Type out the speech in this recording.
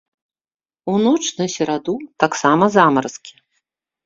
У ноч на сераду таксама замаразкі.